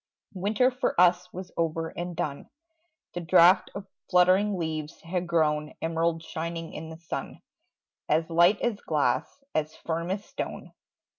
Winter for us was over and done: The drought of fluttering leaves had grown Emerald shining in the sun, As light as glass, as firm as stone.